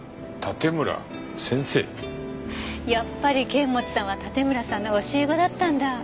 やっぱり剣持さんは盾村さんの教え子だったんだ。